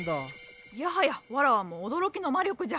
いやはやわらわも驚きの魔力じゃ。